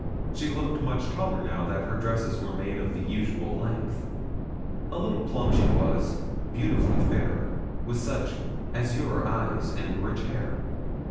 She looked much taller now that her dresses were made of the usual length. A little plump she was, beautifully fair, with such azure eyes, and rich hair.